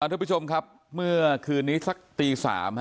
ทุกผู้ชมครับเมื่อคืนนี้สักตี๓